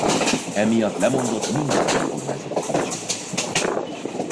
Emiatt lemondott minden önkormányzati tisztségéről.